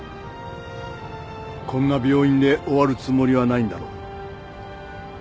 こんな病院で終わるつもりはないんだろ？